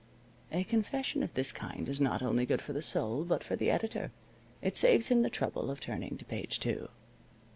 A confession of this kind is not only good for the soul, but for the editor. It saves him the trouble of turning to page two.